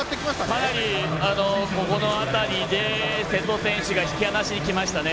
かなり瀬戸選手が引き離しにきましたね。